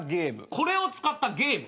これを使ったゲーム？